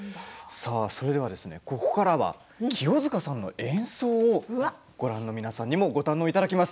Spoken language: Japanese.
さあここからは清塚さんの演奏ご覧の皆さんにもご堪能いただきます。